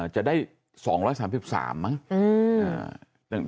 จะได้๒๓๓มั้ง